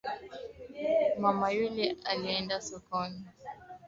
i kuchoma taka na ujenzi Vyanzo vingine kama vile motoKwa idadi kubwa